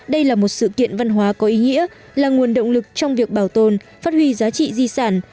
đây là một sự kiện văn hóa có ý nghĩa là nguồn động lực trong việc bảo tồn phát huy giá trị di sản